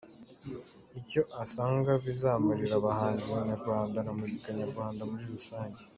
Icyo asanga bizamarira abahanzi nyarwanda na muzika nyarwanda muri rusange.